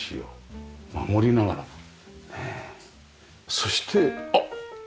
そしてあっ！